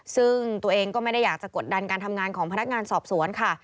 ซึ่งตัวเองก็ไม่ได้อยากจะกดดันการทำงานของพนักงานสอบสวนค่ะ